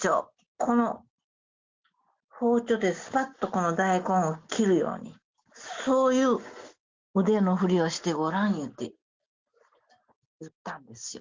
この包丁ですぱっと、この大根を切るように、そういう腕の振りをしてごらん言って、言ったんですよ。